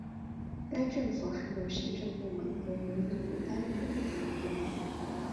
该政府含有行政部门和由议会担任的立法部门。